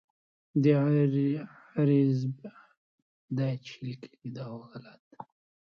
د عرض پاڼې کاپي ساتل کیږي.